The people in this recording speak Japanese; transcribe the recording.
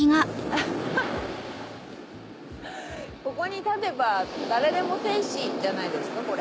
アハここに立てば誰でも天使じゃないですか？